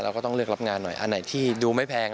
ก็ต้องเลือกรับงานหน่อยอันไหนที่ดูไม่แพง